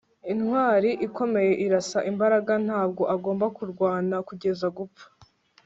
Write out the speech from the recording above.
intwali ikomeye irasa imbaraga. ntabwo agomba kurwana kugeza gupfa